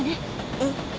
うん。